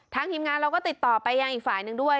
ทีมงานเราก็ติดต่อไปยังอีกฝ่ายหนึ่งด้วย